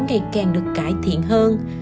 ngày càng được cải thiện hơn